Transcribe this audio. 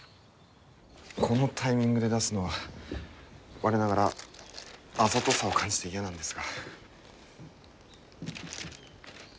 このタイミングで出すのは我ながらあざとさを感じて嫌なんですが。